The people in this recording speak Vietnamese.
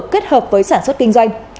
kết hợp với sản xuất kinh doanh